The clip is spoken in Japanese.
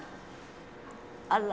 あら。